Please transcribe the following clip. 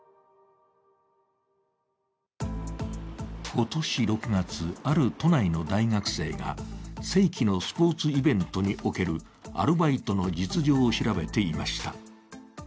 今年６月、ある都内の大学生が世紀のスポーツイベントにおけるアルバイトの実情を調べていました。